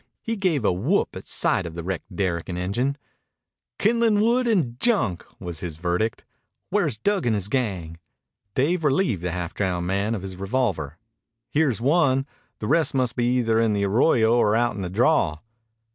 He gave a whoop at sight of the wrecked derrick and engine. "Kindlin' wood and junk," was his verdict. "Where's Dug and his gang?" Dave relieved the half drowned man of his revolver. "Here's one. The rest must be either in the arroyo or out in the draw."